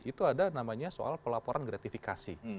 itu ada namanya soal pelaporan gratifikasi